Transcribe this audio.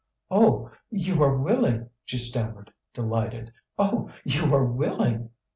"Oh! you are willing," she stammered, delighted. "Oh! you are willing!"